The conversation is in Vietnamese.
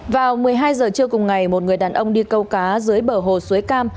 vào một mươi hai giờ trưa cùng ngày một người đàn ông đi câu cá dưới bờ hồ suối cam